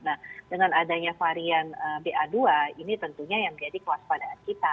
nah dengan adanya varian ba dua ini tentunya yang menjadi kewaspadaan kita